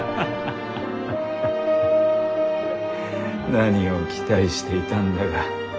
何を期待していたんだか。